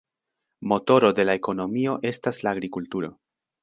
Motoro de la ekonomio estas la agrikulturo.